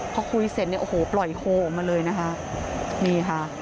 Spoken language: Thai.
พอคุยเสร็จเนี่ยโอ้โหปล่อยโฮออกมาเลยนะคะนี่ค่ะ